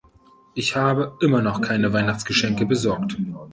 Ich habe immer noch keine Weihnachtsgeschenke besorgt.